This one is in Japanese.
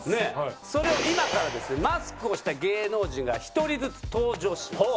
それを今からですねマスクをした芸能人が１人ずつ登場します。